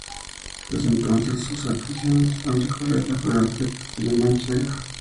Desde entonces, sus actuaciones han recorrido la geografía castellanomanchega.